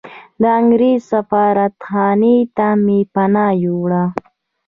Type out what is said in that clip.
د انګریز سفارتخانې ته مې پناه یووړه.